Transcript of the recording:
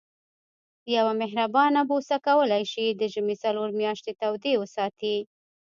یوه مهربانه بوسه کولای شي د ژمي څلور میاشتې تودې وساتي.